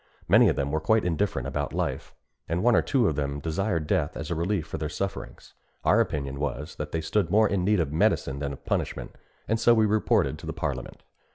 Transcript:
Many of them were quite indifferent about life, and one or two of them desired death as a relief for their sufferings. Our opinion was, that they stood more in need of medicine than of punishment; and so we reported to the parliament.